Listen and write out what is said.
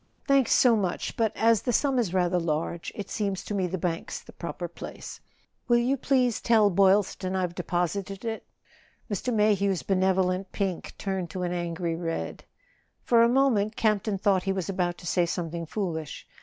"Thanks so much; but as the sum is rather large it seems to me the bank's the proper place. Will you please tell Boylston I've deposited it ?" Mr. Mayhew's benevolent pink turned to an angry red. For a moment Camp ton thought he was about to say something foolish.